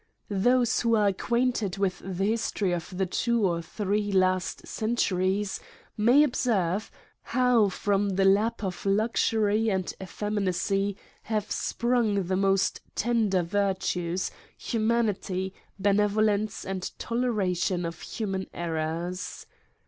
Those who are acquainted with the history of the two or three last centuries may observe, how from the lap of luxury and effeminacy have sprung the most tender virtues, humanity, benevolence, and toleration of human errors.